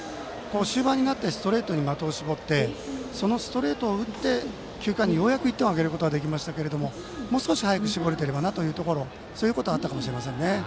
終盤になってストレートに的を絞ってそのストレートを打って１点を挙げることができましたがもう少し早く絞れていればなとそういうことがあったかもしれません。